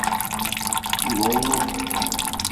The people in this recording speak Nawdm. Boongu.